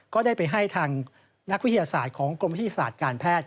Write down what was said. ก็ได้ไปให้ทางนักวิทยาศาสตร์ของกรมวิทยาศาสตร์การแพทย์